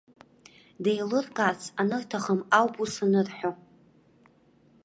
Деилыркаарц анырҭахым ауп ус анырҳәо.